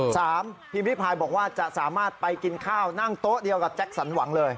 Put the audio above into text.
พิมพิพายบอกว่าจะสามารถไปกินข้าวนั่งโต๊ะเดียวกับแจ็คสันหวังเลย